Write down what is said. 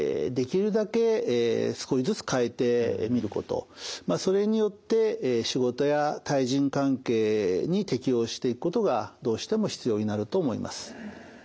やはりですねまず第１にそれによって仕事や対人関係に適応していくことがどうしても必要になると思います。